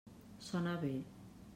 Sona bé.